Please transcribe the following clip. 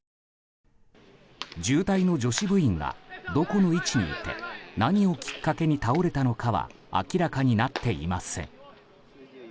重体の女子部員がどこの位置にいて何をきっかけに倒れたのかは明らかになっていません。